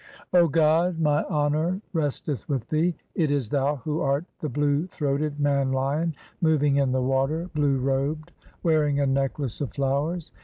0 God, my honour resteth with Thee. It is Thou who art the blue throated, man lion, moving in the water, blue robed, wearing a necklace of flowers.